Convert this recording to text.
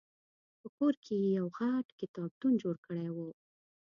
په کور کې یې یو غټ کتابتون جوړ کړی و.